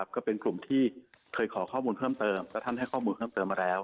ก็เป็นกลุ่มที่เคยขอข้อมูลเพิ่มเติมและท่านให้ข้อมูลเพิ่มเติมมาแล้ว